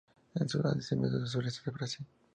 Es un endemismo del sureste del Brasil.